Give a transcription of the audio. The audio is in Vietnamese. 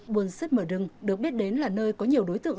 buôn sứt mở đưng được biết đến là nơi có nhiều đối tượng